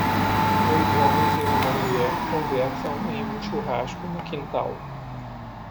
Dois homens e uma mulher conversam em um churrasco no quintal.